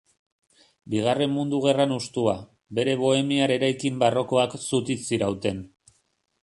Bigarren Mundu Gerran hustua, bere bohemiar eraikin barrokoak zutik zirauten.